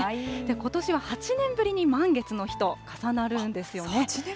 ことしは８年ぶりに満月の日と重なるんですよね。